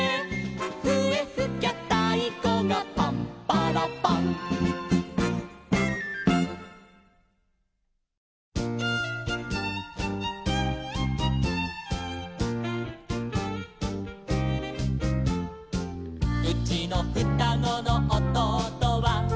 「ふえふきゃたいこがパンパラパン」「うちのふたごのおとうとは」